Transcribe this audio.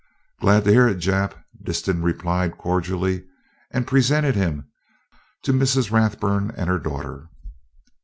"Glad to hear it, Jap," Disston replied cordially, and presented him to Mrs. Rathburn and her daughter.